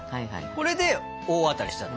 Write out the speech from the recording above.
これで大当たりしたんだ。